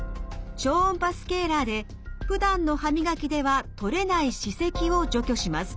超音波スケーラーでふだんの歯磨きでは取れない歯石を除去します。